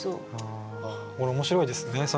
これ面白いですね